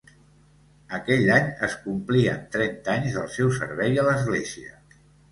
Aquell any es complien trenta anys del seu servei a l'Església.